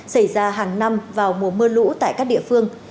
xảy ra hàng năm vào mùa mưa lũ tại các địa phương